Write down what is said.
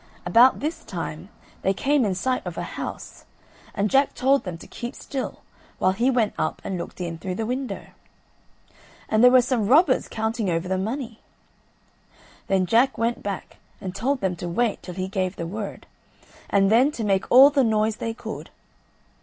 About this time they came in sight of a house, and Jack told them to keep still while he went up and looked in through the window. And there were some robbers counting over their money. Then Jack went back and told them to wait till he gave the word, and then to make all the noise they could.